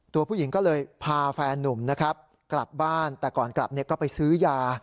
ตัวผู้หญิงก็เลยพาแฟนนุ่มนะครับกลับบ้านแต่ก่อนกลับก็ไปซื้อยา